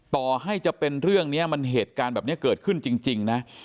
ต่อให้จะเป็นเรื่องนี้มันเหตุการณ์แบบนี้เกิดขึ้นจริงนะ